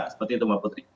seperti itu mbak putri